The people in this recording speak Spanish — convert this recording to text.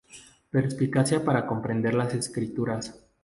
Perspicacia para comprender las escrituras.